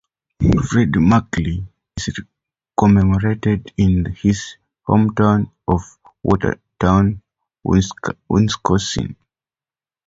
Fred Merkle is commemorated in his hometown of Watertown, Wisconsin.